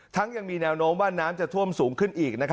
ยังมีแนวโน้มว่าน้ำจะท่วมสูงขึ้นอีก